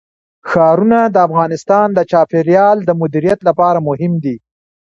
ښارونه د افغانستان د چاپیریال د مدیریت لپاره مهم دي.